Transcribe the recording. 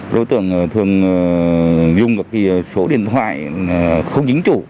đối tượng thường dùng số điện thoại không dính chủ